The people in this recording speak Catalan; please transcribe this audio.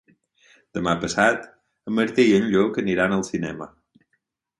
Demà passat en Martí i en Lluc aniran al cinema.